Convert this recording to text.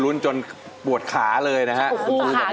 ลุ้นจนปวดขาเลยนะฮะ